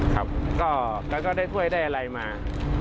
แล้วก็ได้ช่วยได้อะไรมา